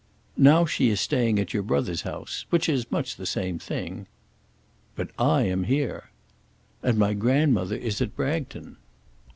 "Now she is staying at your brother's house, which is much the same thing." "But I am here." "And my grandmother is at Bragton."